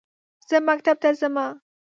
زه مکتب ته زمه